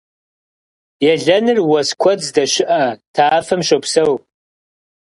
Елэныр уэс куэд здэщыӀэ тафэм щопсэу.